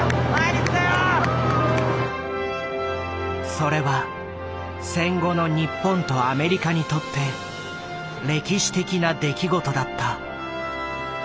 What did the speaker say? それは戦後の日本とアメリカにとって歴史的な出来事だった。